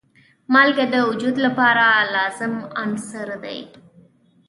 مالګه د وجود لپاره لازم عنصر دی.